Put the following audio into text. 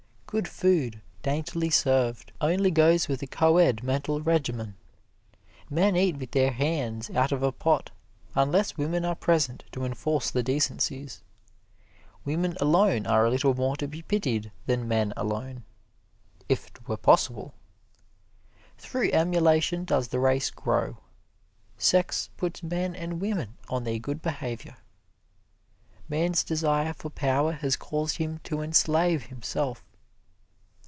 Good food, daintily served, only goes with a co ed mental regimen. Men eat with their hands, out of a pot, unless women are present to enforce the decencies. Women alone are a little more to be pitied than men alone, if 't were possible. Through emulation does the race grow. Sex puts men and women on their good behavior. Man's desire for power has caused him to enslave himself.